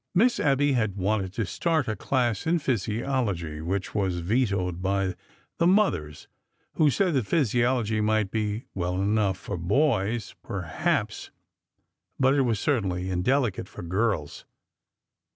Miss Abby had wanted to start a class in physiology, which was vetoed by the mothers, who said 71 72 ORDER NO. 11 that physiology might be well enough for boys, perhaps, but it was certainly indelicate for girls.